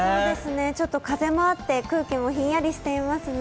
ちょっと風もあって空気もひんやりしていますね。